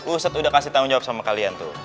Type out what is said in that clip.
ustadz udah kasih tanggung jawab sama kalian tuh